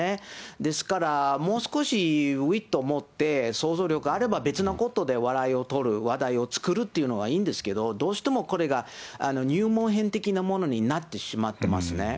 ですから、もう少しウィットを持って想像力があれば別なことで笑いを取る、話題を作るっていうのがいいんですけど、どうしてもこれが入門編的なものになってしまってますね。